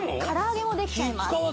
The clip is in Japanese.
唐揚げもできちゃいます